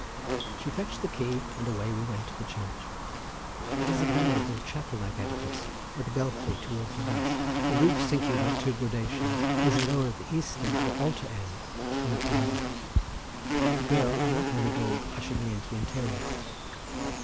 She fetched the key and away we went to the church. It is a venerable chapel like edifice, with a belfry towards the west; the roof, sinking by two gradations, is lower at the eastern or altar end than at the other. The girl, unlocking the door, ushered me into the interior.